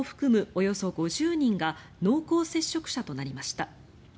およそ５０人が濃厚接触者となりました。